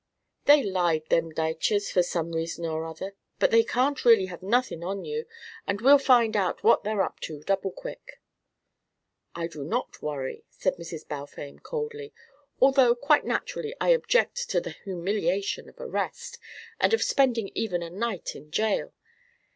"They lied, them Duytchers, for some reason or other, but they can't really have nothin' on you, and we'll find out what they're up to, double quick." "I do not worry," said Mrs. Balfame coldly, " although quite naturally I object to the humiliation of arrest, and of spending even a night in jail.